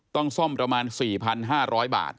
ต้องซ่อมประมาณ๔๕๐๐บาท